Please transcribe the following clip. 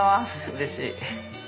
うれしい。